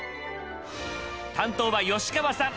担当は吉川さん